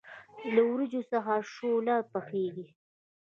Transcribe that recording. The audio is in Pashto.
له وریجو څخه شوله پخیږي.